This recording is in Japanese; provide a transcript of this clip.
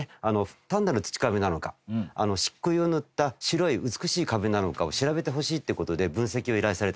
単なる土壁なのか漆喰を塗った白い美しい壁なのかを調べてほしいって事で分析を依頼されたんですね。